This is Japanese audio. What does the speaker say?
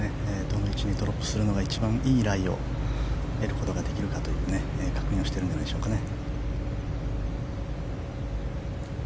どの位置にドロップするのが一番いいライを得ることができるかという確認をしてるんでしょうかね。